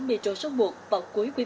metro số một vào cuối tuần